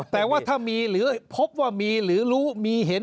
แต่ว่าถ้ามีหรือพบว่ามีหรือรู้มีเห็น